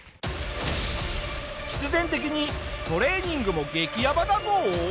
必然的にトレーニングも激ヤバだぞ！